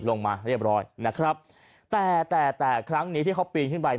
ลงมาเรียบร้อยนะครับแต่แต่แต่ครั้งนี้ที่เขาปีนขึ้นไป